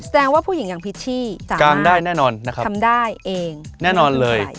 แสดงว่าผู้หญิงกางพิชชี่สามารถทำได้เองแน่นอนเลย